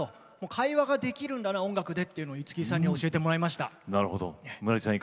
会話ができるんだな音楽でということを、五木さんに教えてもらいました。